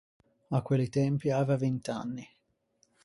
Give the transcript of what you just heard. À quelli tempi aiva vint’anni.